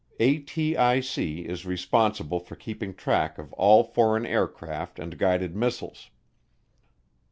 ATIC is responsible for keeping track of all foreign aircraft and guided missiles.